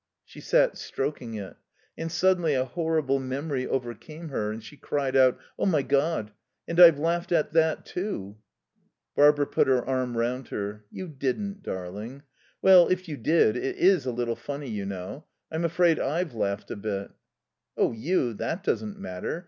She sat stroking it. And suddenly a horrible memory overcame her, and she cried out: "Oh, my God! And I've laughed at that, too!" Barbara put her arm round her. "You didn't, darling. Well, if you did it is a little funny, you know. I'm afraid I've laughed a bit." "Oh, you that doesn't matter.